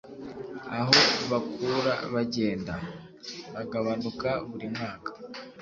Aho bakura bagenda bagabanuka buri mwaka